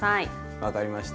分かりました。